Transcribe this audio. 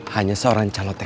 hanya seorang calote kw